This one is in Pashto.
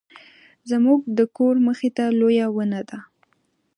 زموږ د کور مخې ته لویه ونه ده